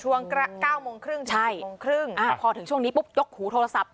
ช่วง๙โมงครึ่งใช่โมงครึ่งพอถึงช่วงนี้ปุ๊บยกหูโทรศัพท์